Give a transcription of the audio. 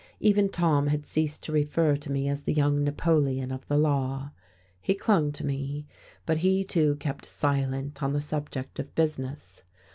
Even Tom had ceased to refer to me as the young Napoleon of the Law: he clung to me, but he too kept silent on the subject of business.